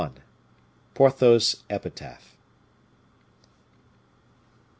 Porthos's Epitaph.